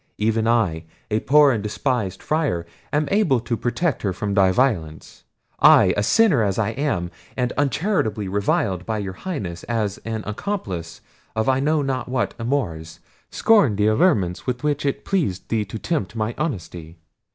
Even I, a poor and despised Friar, am able to protect her from thy violence—I, sinner as I am, and uncharitably reviled by your Highness as an accomplice of I know not what amours, scorn the allurements with which it has pleased thee to tempt mine honesty.